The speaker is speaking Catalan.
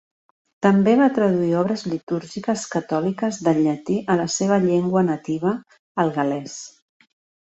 També va traduir obres litúrgiques catòliques del llatí a la seva llengua nativa, el gal·lès.